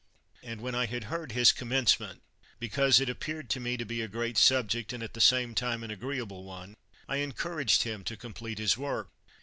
And when I had heard his commencement, because it appeared to me to be a great subject, and at the same time an agree able one, I encouraged him to complete his work.